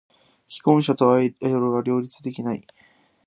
既婚者とアイドルは両立できない。